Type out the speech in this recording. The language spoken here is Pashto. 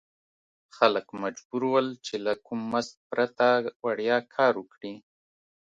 خلک مجبور ول چې له کوم مزد پرته وړیا کار وکړي.